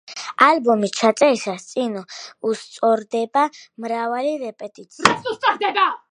ალბომის ჩაწერას წინ უსწრებდა მრავალი რეპეტიცია.